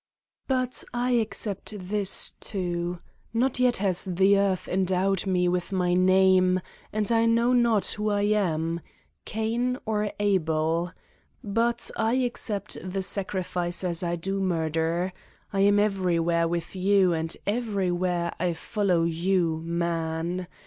But I accept this, too. Not yet has the earth endowed me with my name and I know not who I am: Cain or Abel? But I accept the sacrifice as I do murder. I am everywhere with you and ev erywhere I follow you, Man.